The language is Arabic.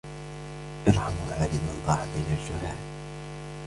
ارْحَمُوا عَالِمًا ضَاعَ بَيْنَ الْجُهَّالِ